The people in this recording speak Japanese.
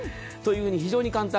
非常に簡単。